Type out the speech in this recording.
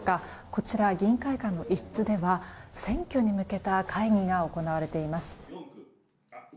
こちら、議員会館の一室では選挙に向けた会議が行われています。